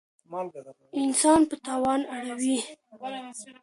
انسان په تاوان اړوي.